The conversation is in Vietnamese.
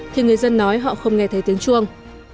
thì người dân nói họ không nghe thấy tiếng chuông